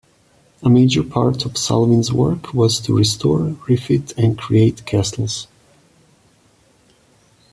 A major part of Salvin's work was to restore, refit and create castles.